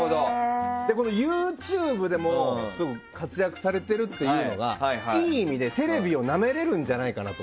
ＹｏｕＴｕｂｅでも活躍されているというのがいい意味で、テレビをなめれるんじゃないかなって